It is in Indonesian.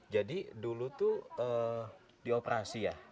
jadi dulu tuh dioperasi ya